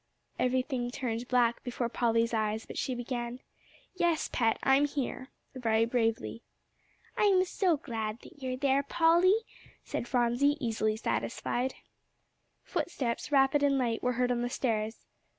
Everything turned black before Polly's eyes; but she began, "Yes, Pet, I'm here," very bravely. "I am so glad you are there, Polly," said Phronsie, easily satisfied. Footsteps rapid and light were heard on the stairs.